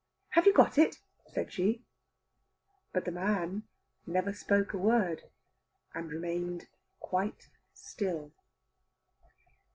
"Have you got it?" said she. But the man spoke never a word, and remained quite still.